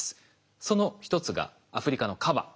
その一つがアフリカのカバ。